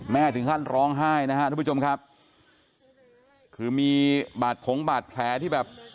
ถึงขั้นร้องไห้นะฮะทุกผู้ชมครับคือมีบาดผงบาดแผลที่แบบ